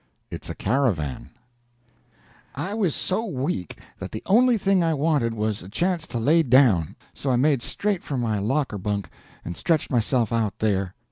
IT'S A CARAVAN I was so weak that the only thing I wanted was a chance to lay down, so I made straight for my locker bunk, and stretched myself out there.